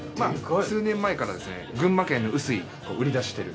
数年前からですね群馬県の碓氷が売り出してる。